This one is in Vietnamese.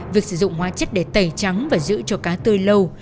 việc sử dụng hóa chất để tẩy trắng và giữ cho cá tươi lâu